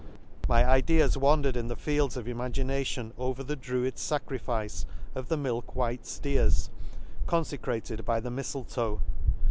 My ideas wandered in the fields of imagination over the druids facrifice of the milk white fleers, confecrated by the mifletoe.